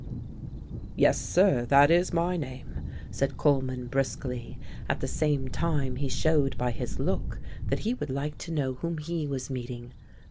"Yes, sir, that is my name," said Coleman briskly, at the same time he showed by his look that he would like to know whom he was meeting.